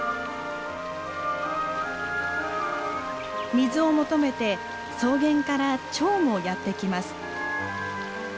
水を求めて草原からチョウもやって来ます。